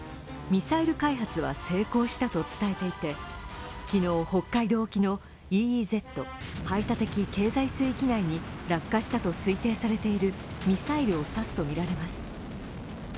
ミサイル開発は成功したと伝えていて、昨日、北海道沖のＥＥＺ＝排他的経済水域内に落下したと推定されているミサイルを指すとみられます。